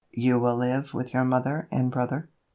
You will live with your mother and brother?"